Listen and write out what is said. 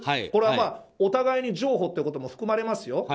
これはお互いに譲歩ということも含まれますよ。